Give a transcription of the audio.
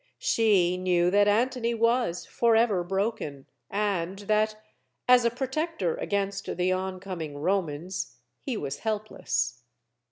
She knew that Antony was forever broken, and that, as a protector against the oncoming Romans, he was helpless.